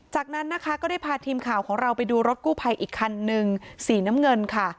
จากนั้นนะคะก็ได้พาทีมข่าวของเราไปดูรถกู้ภัยอีกคันนึงสีน้ำเงินค่ะ